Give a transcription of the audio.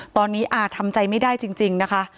ตอนนี้อาทำใจไม่ได้จริงนะคะ